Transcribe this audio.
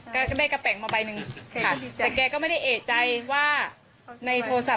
ก็ได้กระแปลงมาไปหนึ่งค่ะแกก็ไม่ได้เอกใจว่า